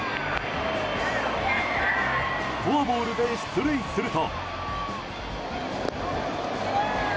フォアボールで出塁すると。